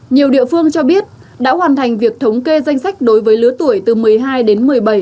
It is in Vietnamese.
nhiều địa phương cho biết đã hoàn thành việc thống kê danh sách đối với lứa tuổi từ một mươi hai đến một mươi bảy